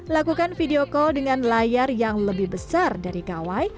lakukan video call dengan layar yang lebih besar dari gawai